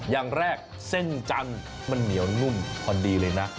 อย่างแรกเส้นจันทร์มันเหนียวนุ่มพอดีเลยนะ